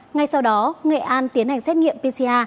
ngay sau đó nghệ an tiến hành xét nghiệm pcr